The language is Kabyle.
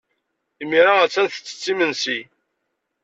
Imir-a, attan tettett imensi.